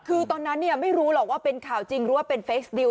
คือตอนนั้นไม่รู้หรอกว่าเป็นข่าวจริงหรือว่าเป็นเฟคนิว